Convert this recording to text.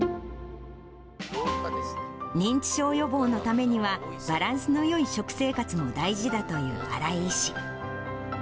認知症予防のためには、バランスのよい食生活も大事だという新井医師。